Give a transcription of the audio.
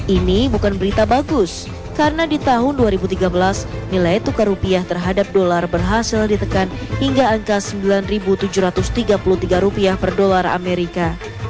ini bukan berita bagus karena di tahun dua ribu tiga belas nilai tukar rupiah terhadap dolar berhasil ditekan hingga angka sembilan tujuh ratus tiga puluh tiga rupiah per dolar amerika